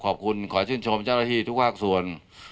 ขอบคุณขอชื่นชมเจ้าหน้าที่ทุกภาคส่วน